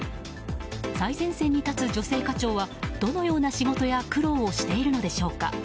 最前線に立つ女性課長はどのような仕事や苦労をしているのでしょうか。